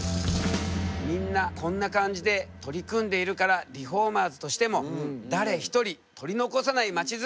みんなこんな感じで取り組んでいるからリフォーマーズとしても誰ひとり取り残さない街づくりに貢献したいよね。